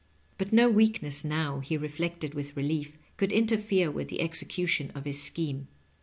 But no weakness now, he reflected with relief, could interfere with the execution of his scheme.